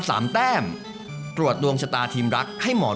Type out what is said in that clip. สวัสดีครับ